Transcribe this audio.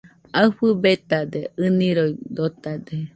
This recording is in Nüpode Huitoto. Aɨfɨ betade, ɨniroi dotade